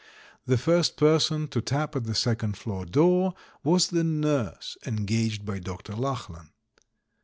The first person to tap at the second floor door was the nurse engaged by Dr. Lachlan.